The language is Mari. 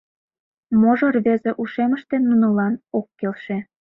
Можо рвезе ушемыште нунылан ок келше?